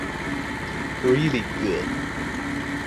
Really good.